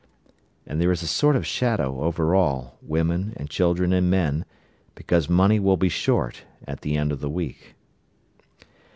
And there is a sort of shadow over all, women and children and men, because money will be short at the end of the week.